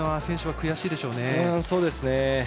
選手は悔しいでしょうね。